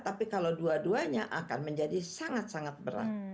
tapi kalau dua duanya akan menjadi sangat sangat berat